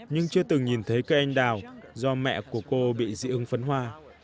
nhưng chưa từng nhìn thấy cây anh đào do mẹ của cô bị dị ứng phấn hoa